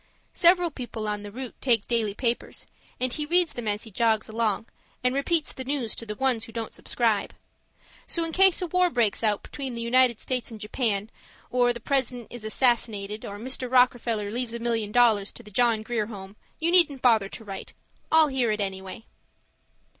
Several people on the route take daily papers, and he reads them as he jogs along, and repeats the news to the ones who don't subscribe. So in case a war breaks out between the United States and Japan, or the president is assassinated, or Mr. Rockefeller leaves a million dollars to the John Grier Home, you needn't bother to write; I'll hear it anyway.